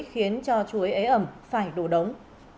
khiến cho chuối ế ẩm phải đổ đống